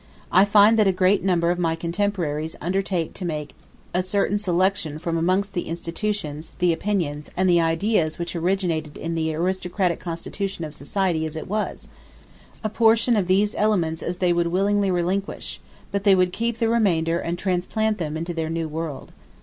I find that a great number of my contemporaries undertake to make a certain selection from amongst the institutions, the opinions, and the ideas which originated in the aristocratic constitution of society as it was: a portion of these elements they would willingly relinquish, but they would keep the remainder and transplant them into their new world.